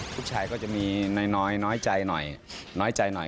ลูกชายก็จะมีน้อยน้อยใจหน่อย